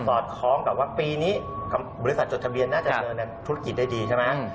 อดคล้องกับว่าปีนี้บริษัทจดทะเบียนน่าจะเดินธุรกิจได้ดีใช่ไหม